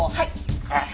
はい。